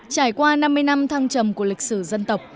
trải qua năm mươi năm thăng trầm của lịch sử dân tộc